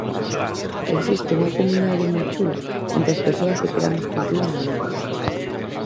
Existe unha comunidade moi chula entre as persoas que creamos contido en galego.